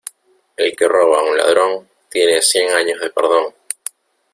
El que roba a un ladrón tiene cien años de perdón.